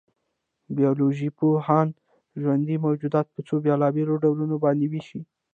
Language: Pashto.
بایولوژيپوهان ژوندي موجودات په څو بېلابېلو ډولونو باندې وېشي.